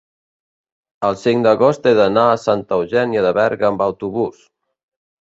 el cinc d'agost he d'anar a Santa Eugènia de Berga amb autobús.